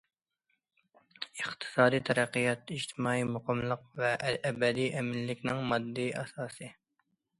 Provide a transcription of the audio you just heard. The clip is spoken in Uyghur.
ئىقتىسادىي تەرەققىيات ئىجتىمائىي مۇقىملىق ۋە ئەبەدىي ئەمىنلىكنىڭ ماددىي ئاساسى.